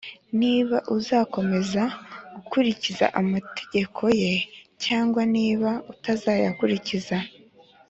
niba uzakomeza gukurikiza amategeko ye cyangwa niba utazayakurikiza